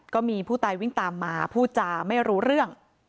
ก็มีผู้ตายวิ่งตามมาพูดจาไม่รู้เรื่อง